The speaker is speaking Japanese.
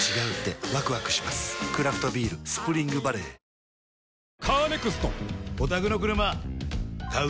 クラフトビール「スプリングバレー」いいのかな？